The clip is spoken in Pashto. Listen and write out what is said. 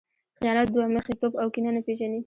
خیانت، دوه مخی توب او کینه نه پېژني.